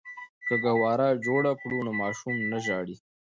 که ګهواره جوړه کړو نو ماشوم نه ژاړي.